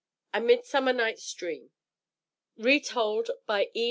_ A MIDSUMMER NIGHTS DREAM Retold by E.